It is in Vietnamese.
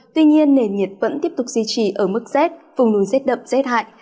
tuy nhiên nền nhiệt vẫn tiếp tục di trì ở mức z vùng núi z đậm z hại